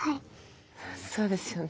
そうですよね。